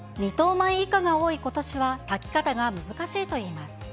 米以下が多いことしは、炊き方が難しいといいます。